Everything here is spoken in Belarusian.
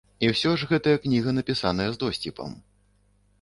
І ўсё ж гэтая кніга напісаная з досціпам.